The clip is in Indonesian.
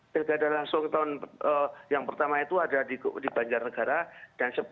pilkada langsung tahun yang pertama itu ada di banjarnegara